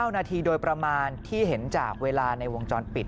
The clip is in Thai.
๙นาทีโดยประมาณที่เห็นจากเวลาในวงจรปิด